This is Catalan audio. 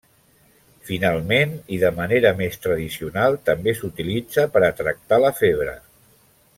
Finalment i de manera més tradicional, també s'utilitza per a tractar la febre.